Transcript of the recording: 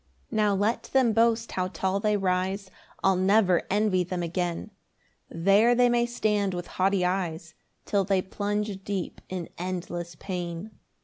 3 Now let them boast how tall they rise, I'll never envy them again; There they may stand with haughty eyes, Till they plunge deep in endless pain.